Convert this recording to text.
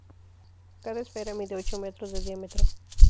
Cada esfera mide ocho metros de diámetro.